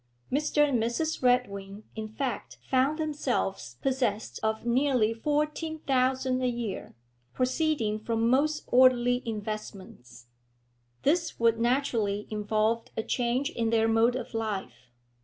Mr. and Mrs. Redwing in fact found themselves possessed of nearly fourteen thousand a year, proceeding from most orderly investments. This would naturally involve a change in their mode of life.